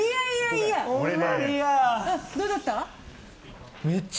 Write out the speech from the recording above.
どうだった。